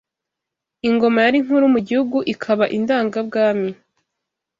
Ingoma yari nkuru mu gihugu, ikaba indangabwami